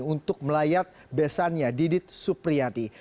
untuk melayat besannya didit supriyadi